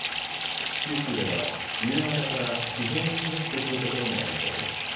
九州では夕方から非常に激しく降る所もありそうです。